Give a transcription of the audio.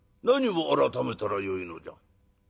何を改めたらよいのじゃ」。